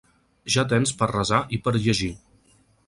Ja tens per resar i per llegir.